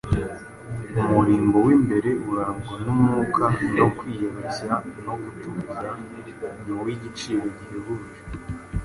umurimbo w’imbere urangwa n’umwuka wo kwiyoroshya no gutuza ni uw’igiciro gihebuje.